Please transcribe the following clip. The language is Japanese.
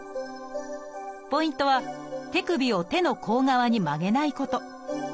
ポイントは手首を手の甲側に曲げないこと。